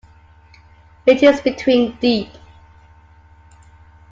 It is between deep.